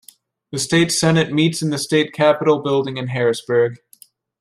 The State Senate meets in the State Capitol building in Harrisburg.